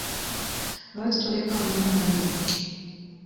Lwaki toleka munno nayogera?